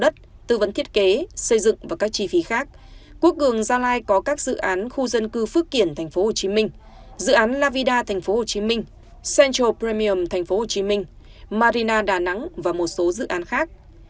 đất tư vấn thiết kế xây dựng và các chi phí khác quốc cường gia lai có các dự án khu dân cư phước kiển tp hcm dự án lavida tp hcm central pramium tp hcm marina đà nẵng và một số dự án khác